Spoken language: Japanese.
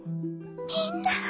みんな。